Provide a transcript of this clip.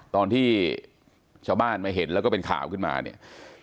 ตอนที่ชาวบ้านมาเห็นแล้วก็เป็นข่าวขึ้นมาเนี่ย